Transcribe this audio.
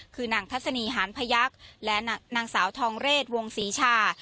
คือนางทัศนีหานพยักษ์และนางสาวทองเรศวงศรีชา